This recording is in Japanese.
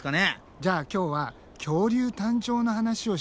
じゃあ今日は「恐竜誕生の話」をしよう。